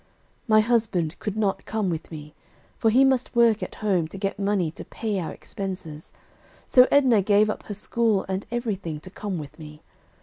"My husband could not come with me, for he must work at home to get money to pay our expenses, so Edna gave up her school and everything to come with me.